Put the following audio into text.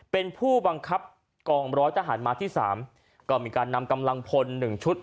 เป็นผู้บังคับกองร้อยทหารมาที่๓ก็มีการนำกำลังพล๑ชุด